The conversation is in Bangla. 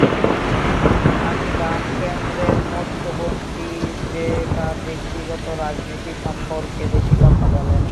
আমি বাম-কেন্দ্রের মধ্যপন্থী যে তার ব্যক্তিগত রাজনীতি সম্পর্কে বেশি কথা বলে না।